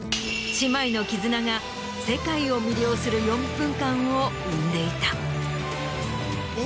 が世界を魅了する４分間を生んでいた。